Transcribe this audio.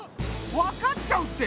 分かっちゃうって。